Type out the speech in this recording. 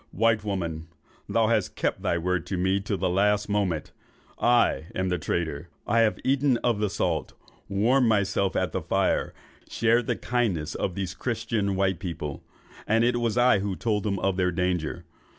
'White woman, thou hast kept thy word with me to the last moment. I am the traitor. I have eaten of the salt, warmed myself at the fire, shared the kindness of these christian white people, and it was I that told them of their danger.